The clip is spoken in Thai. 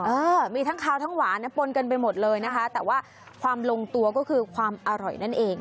เออมีทั้งขาวทั้งหวานนะปนกันไปหมดเลยนะคะแต่ว่าความลงตัวก็คือความอร่อยนั่นเอง